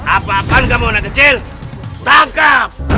apapun kamu anak kecil tangkap